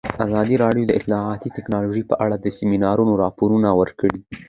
ازادي راډیو د اطلاعاتی تکنالوژي په اړه د سیمینارونو راپورونه ورکړي.